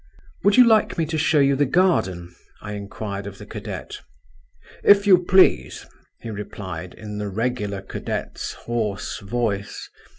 "Would you like me to show you the garden?" I inquired of the cadet. "If you please," he replied, in the regular cadet's hoarse voice.